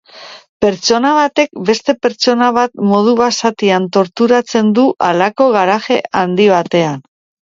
Pertsona batek beste pertsona bat modu basatian torturatzen du halako garaje handi batean.